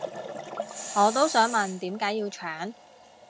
我都想問點解要搶